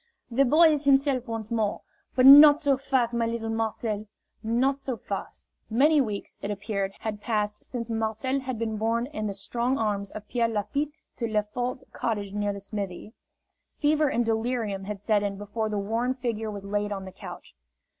"The boy is himself once more. But not so fast, my little Marcel, not so fast!" Many weeks, it appeared, had passed since Marcel had been borne in the strong arms of Pierre Lafitte to Lefort's cottage near the smithy. Fever and delirium had set in before the worn figure was laid on the couch.